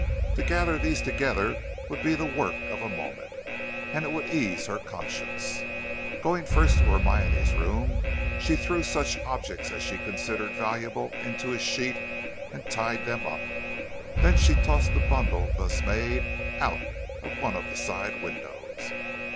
To gather these together would be the work of a moment, and it would ease her conscience. Going first to Hermione's room, she threw such objects as she considered valuable into a sheet, and tied them up. Then she tossed the bundle thus made out of one of the side windows.